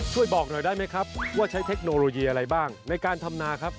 ช่วยบอกหน่อยได้ไหมครับว่าใช้เทคโนโลยีอะไรบ้างในการทำนาครับ